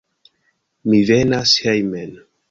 Mi venas hejmen.